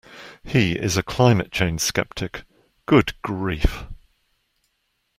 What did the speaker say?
He is a climate change sceptic. Good grief!